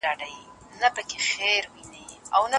د انټرنیټ سرعت کله کله کم وي.